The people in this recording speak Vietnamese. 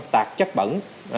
tạc chất bẩn